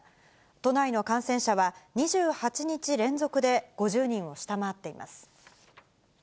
都内の感染者は２８日連続で５０人を下回っています。